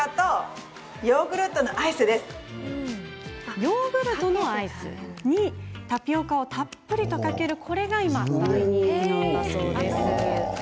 ヨーグルトのアイスにタピオカをたっぷりとかけるこれが今、大人気なんです。